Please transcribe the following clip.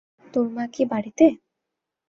তোর মা কি বাড়িতে?